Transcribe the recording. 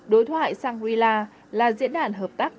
đối thoại shangri la là diễn đàn hợp tác